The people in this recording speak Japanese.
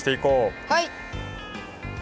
はい！